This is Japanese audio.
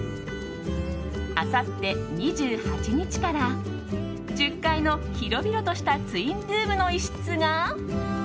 あさって２８日から１０階の広々としたツインルームの一室が。